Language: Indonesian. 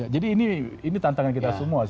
jadi ini tantangan kita semua